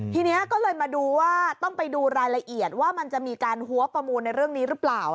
ทีนี้ก็เลยมาดูว่าต้องไปดูรายละเอียดว่ามันจะมีการหัวประมูลในเรื่องนี้หรือเปล่า